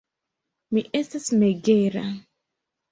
Mi estas megera.